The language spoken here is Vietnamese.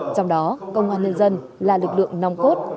trong đó công an nhân dân là lực lượng nòng cốt